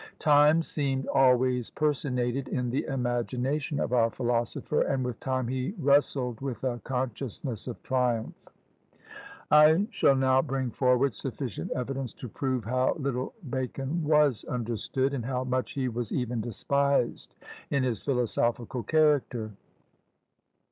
Time seemed always personated in the imagination of our philosopher, and with time he wrestled with a consciousness of triumph. I shall now bring forward sufficient evidence to prove how little Bacon was understood, and how much he was even despised, in his philosophical character.